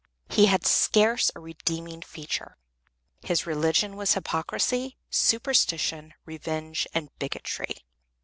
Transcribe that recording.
He had scarce a redeeming feature. His religion was hypocrisy, superstition, revenge and bigotry.